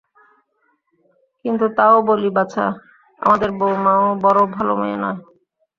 কিন্তু তাও বলি বাছা, আমাদের বউমাও বড়ো ভালো মেয়ে নয়।